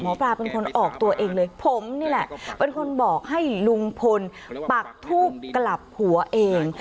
ปลาเป็นคนออกตัวเองเลยผมนี่แหละเป็นคนบอกให้ลุงพลปักทูบกลับหัวเอง